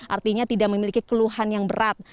artinya tidak memiliki keluhan yang berat